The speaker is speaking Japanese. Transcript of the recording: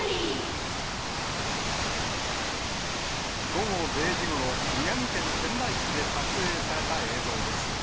午後０時ごろ、宮城県仙台市で撮影された映像です。